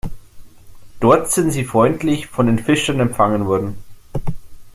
Dort sind sie freundlich von den Fischern empfangen worden.